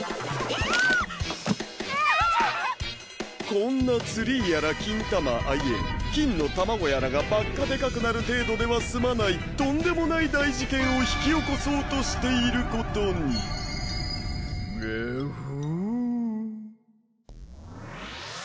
こんなツリーやら金玉あっいえ金の卵やらがばっかでかくなる程度では済まないとんでもない大事件を引き起こそうとしていることにでふ。